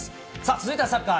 続いてはサッカー。